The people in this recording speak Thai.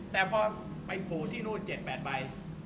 แต่พอไปโผล่ที่นู่น๗๘ใบ